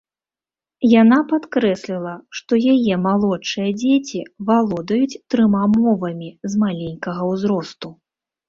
Яна падкрэсліла, што яе малодшыя дзеці валодаюць трыма мовамі з маленькага ўзросту.